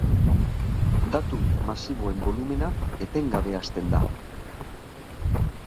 Datu masiboen bolumena etengabe hazten da.